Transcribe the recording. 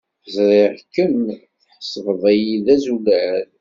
Ẓriɣ kemm tḥesbeḍ-iyi d azulal.